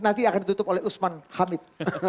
nanti akan ditutup oleh usman hamid